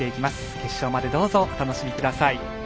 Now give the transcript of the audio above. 決勝までどうぞお楽しみください。